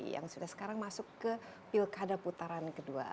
yang sudah sekarang masuk ke pilkada putaran kedua